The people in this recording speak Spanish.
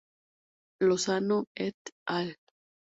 Lozano et al.